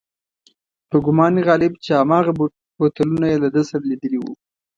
په ګومان غالب چې هماغه بوتلونه یې له ده سره لیدلي و.